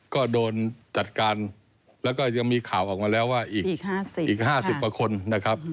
ก็โดนจัดการแล้วก็ยังมีข่าวออกมาแล้วว่าอีก๕๐ประควร